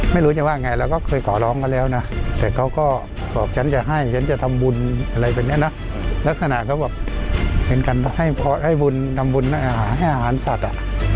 ไม่รู้จะว่าไงเราก็เคยขอร้องเขาแล้วนะแต่เขาก็บอกฉันจะให้ฉันจะทำบุญอะไรแบบนี้นะลักษณะเขาบอกเป็นการให้บุญทำบุญให้อาหารสัตว์อ่ะ